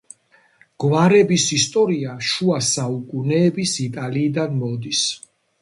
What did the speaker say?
გვარების ისტორია შუა საუკუნეების იტალიიდან მოდის.